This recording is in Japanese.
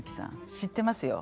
知ってますよ。